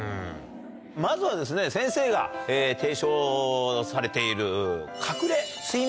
まずは先生が提唱されている。